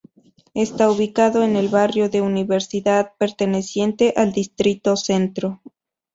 Está ubicado en el barrio de Universidad, perteneciente al distrito Centro.